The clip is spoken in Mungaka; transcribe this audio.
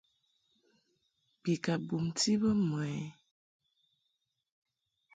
Bi ka bumti bə mɨ ɛ ?